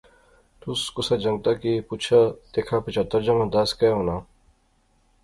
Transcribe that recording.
تس کسا جنگتا کی پُچھا دیکھا پچہتر جمع دس کے ہونا